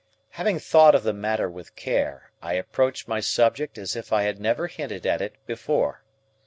Having thought of the matter with care, I approached my subject as if I had never hinted at it before.